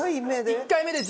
１回目で準？